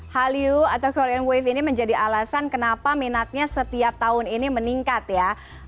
hallyu atau korean wave ini menjadi alasan kenapa minatnya setiap tahun ini meningkat ya